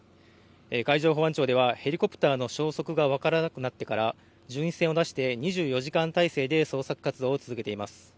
海上保安庁ではヘリコプターの消息が分からなくなってから巡視船を出して、２４時間態勢で捜索活動を続けています。